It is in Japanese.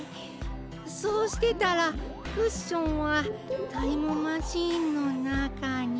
そうしてたらクッションはタイムマシーンのなかに。